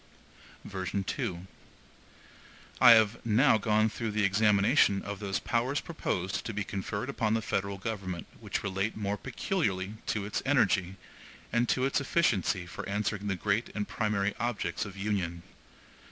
(E1) (I have now gone through the examination of those powers proposed to be conferred upon the federal government which relate more peculiarly to its energy, and to its efficiency for answering the great and primary objects of union.